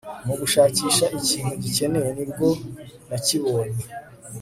mugushakisha ikintu nkeneye, nibwo nakibonye